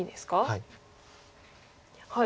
はい。